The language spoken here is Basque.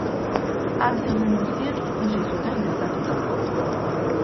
han zeuden guztiek ikusi zuten gertatutakoa